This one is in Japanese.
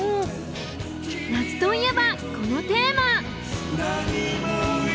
夏といえばこのテーマ。